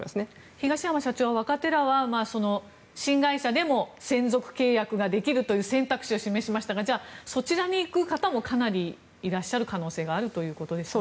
東山社長は若手らは新会社でも専属契約ができるという選択肢を示しましたがそちらにいく方もかなりいらっしゃる可能性があるということですね。